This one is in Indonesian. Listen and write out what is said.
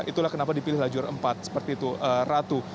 itulah kenapa dipilih lajur empat seperti itu ratu